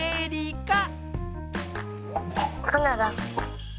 カナダ。